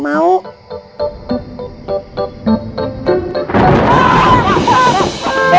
lu ngodus kebiasa